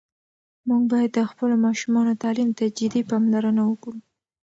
موږ باید د خپلو ماشومانو تعلیم ته جدي پاملرنه وکړو.